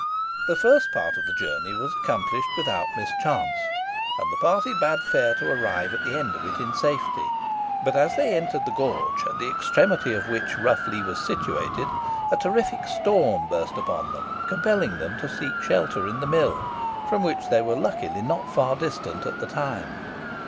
The first part of the journey was accomplished without mischance, and the party bade fair to arrive at the end of it in safety; but as they entered the gorge, at the extremity of which Rough Lee was situated, a terrific storm burst upon them, compelling them to seek shelter in the mill, from which they were luckily not far distant at the time.